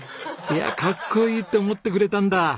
いやあかっこいいって思ってくれたんだ。